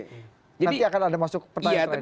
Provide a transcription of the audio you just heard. nanti akan ada masuk pertanyaan terakhir